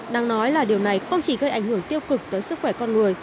đang nói là điều này không chỉ gây ảnh hưởng tiêu cực tới sức khỏe con người